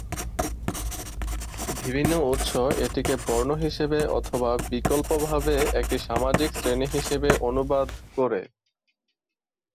বিভিন্ন উৎস এটিকে বর্ণ হিসেবে অথবা বিকল্পভাবে একটি সামাজিক শ্রেণী হিসেবে অনুবাদ করে।